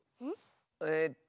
えっと